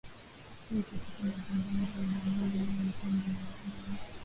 huo katika mazungumzo na kiongozi huyo mkongwe wa Uganda